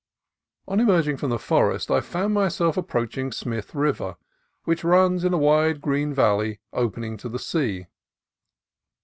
On emerging from the forest, I found myself ap proaching Smith River, which runs in a wide green valley opening to the sea.